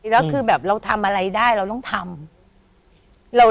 เราก็คือเราทำอะไรได้เราต้องทำ